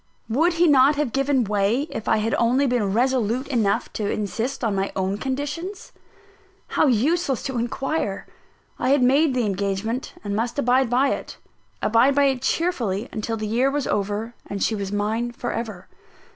Would he not have given way, if I had only been resolute enough to insist on my own conditions? How useless to inquire! I had made the engagement and must abide by it abide by it cheerfully until the year was over, and she was mine for ever.